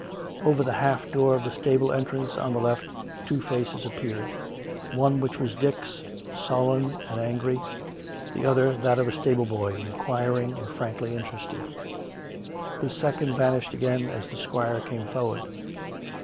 Over the half door of the stable entrance on the left two faces appeared — one, which was Dick's, sullen and angry, the otlier, that of a stable boy, inquiring and frankly inter ested. This second vanished again as the squire came for ward.